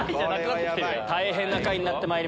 大変な回になってまいりました。